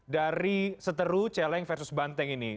dari seteru celeng versus banteng ini